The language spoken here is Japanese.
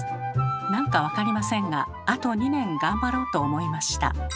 なんか分かりませんがあと２年頑張ろうと思いました。